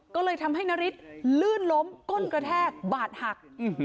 ก็เลยทำให้นาริสลื่นล้มก้นกระแทกบาดหัก